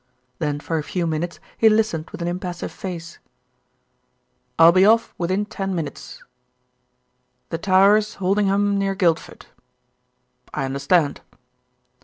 Then for a few minutes he listened with an impassive face. "I'll be off within ten minutes The Towers, Holdingham, near Guildford I understand."